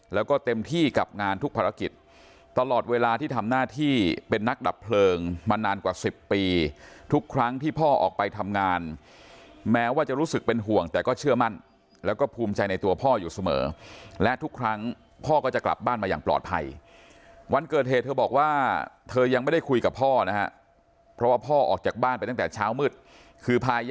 แล้วก็เต็มที่กับงานทุกภารกิจตลอดเวลาที่ทำหน้าที่เป็นนักดับเพลิงมานานกว่า๑๐ปีทุกครั้งที่พ่อออกไปทำงานแม้ว่าจะรู้สึกเป็นห่วงแต่ก็เชื่อมั่นแล้วก็ภูมิใจในตัวพ่ออยู่เสมอและทุกครั้งพ่อก็จะกลับบ้านมาอย่างปลอดภัยวันเกิดเหตุเธอบอกว่าเธอยังไม่ได้คุยกับพ่อนะฮะเพราะว่าพ่อออกจากบ้านไปตั้งแต่เช้ามืดคือพาย